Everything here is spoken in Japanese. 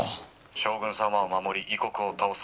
「将軍様を守り異国を倒す。